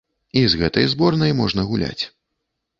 І з гэтай зборнай можна гуляць.